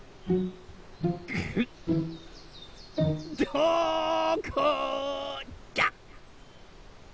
・どこだ？